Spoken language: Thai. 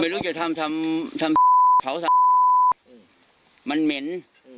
ไม่รู้จะทำทำทำเขามันเหม็นอืม